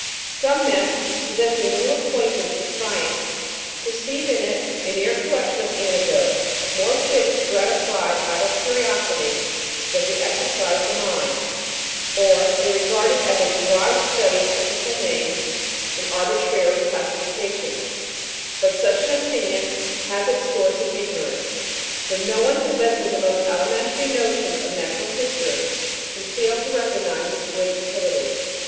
Some men, possessing little acquaintance with science, perceive in it a mere collection of anecdotes, more fitted to gratify idle curiosity than to exercise the mind; or they regard it as a dry study of technical names and arbitrary classifications ; but such an opinion has its source in ignorance, for no one possessing the most elementary notions of natural history can fail to recognise its great utility.